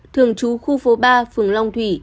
thường trú khu phố ba phường long thủy